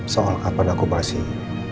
soal kapan aku masih